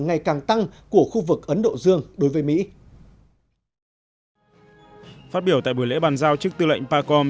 ngày càng tăng của khu vực ấn độ dương đối với mỹ phát biểu tại buổi lễ bàn giao chức tư lệnh pacom